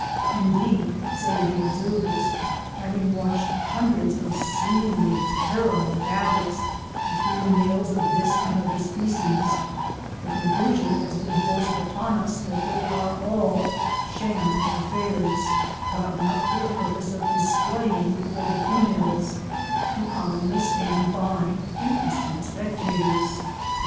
"Indeed," say the observers, "having watched hundreds of seemingly terrible battles between the males of this and other species, the conclusion has been forced upon us that they are all sham affairs, gotten up for the purpose of displaying before the females, who commonly stand by, interested spectators."